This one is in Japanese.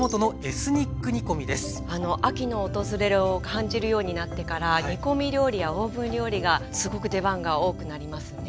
秋の訪れを感じるようになってから煮込み料理やオーブン料理がすごく出番が多くなりますよね。